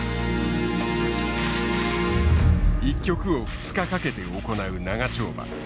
１局を２日かけて行う長丁場。